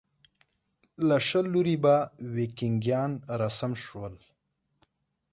له شل لوري به ویکینګیان راسم شول.